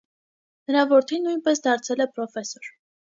Նրա որդին նույնպես դարձել է պրոֆեսոր։